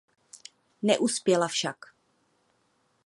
Neuspěla však.